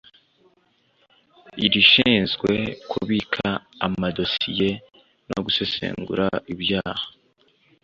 irishinzwe kubika amadosiye no gusesengura ibyaha